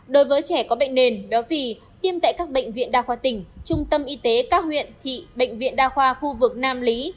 đối với trẻ có bệnh nền béo phì tiêm tại các bệnh viện đa khoa tỉnh trung tâm y tế các huyện thị bệnh viện đa khoa khu vực nam lý